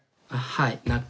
はい。